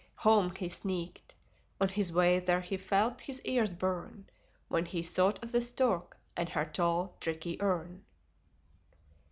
Home he sneaked. On his way there he felt his ears burn When he thought of the Stork and her tall, tricky urn.